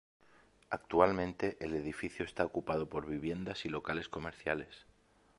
Actualmente el edificio está ocupado por viviendas y locales comerciales.